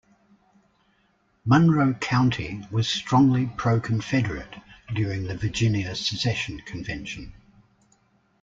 Monroe County was strongly pro-Confederate during the Virginia Secession Convention.